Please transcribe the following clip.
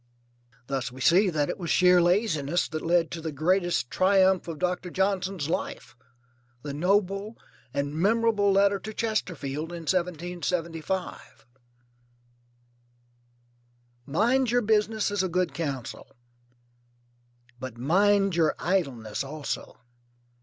Thus we see that it was sheer laziness that led to the greatest triumph of Doctor Johnson's life, the noble and memorable letter to Chesterfield in 1775. Mind your business is a good counsel; but mind your idleness also.